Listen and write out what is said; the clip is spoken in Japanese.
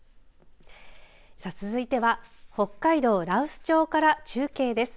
続いては北海道羅臼町から中継です。